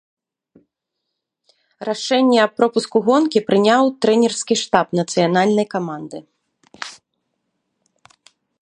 Рашэнне аб пропуску гонкі прыняў трэнерскі штаб нацыянальнай каманды.